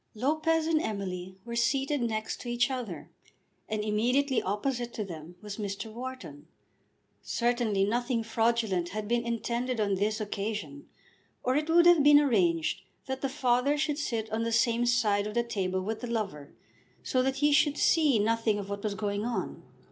Lopez and Emily were seated next to each other, and immediately opposite to them was Mr. Wharton. Certainly nothing fraudulent had been intended on this occasion, or it would have been arranged that the father should sit on the same side of the table with the lover, so that he should see nothing of what was going on.